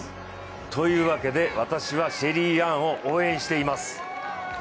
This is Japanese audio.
というわけで、私はシェリーアンを応援しています！